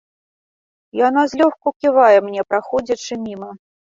Яна злёгку ківае мне, праходзячы міма.